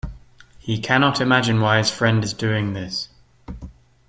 He cannot imagine why his friend is doing this.